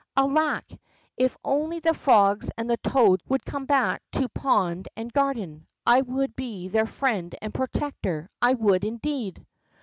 Alack ! if only the frogs and the toads would come back to pond and garden, I would be their friend and protector, I would indeed